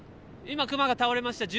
今、クマが倒れました。